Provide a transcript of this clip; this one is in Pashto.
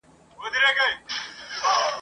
څوک په پردیو نه وي ښاغلي !.